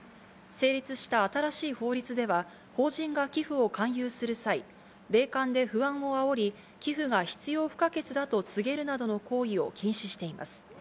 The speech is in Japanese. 成立した新しい法律では、法人が寄付を勧誘する際、霊感で不安をあおり、寄付が必要不可欠だと告げるなどの行為を禁止しています。